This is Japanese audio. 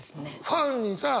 ファンにさ